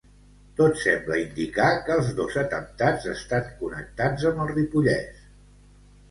Tot sembla indicar que els dos atemptats estan connectats amb el Ripollès.